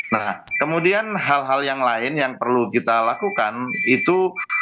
nah kemudian hal hal yang lain yang perlu kita lakukan itu